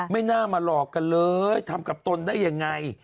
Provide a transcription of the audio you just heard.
ไม่น่ามาหลอกกันเลยทำกับตนได้ยังไง